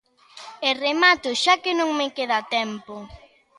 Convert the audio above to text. E remato xa, que non me queda tempo.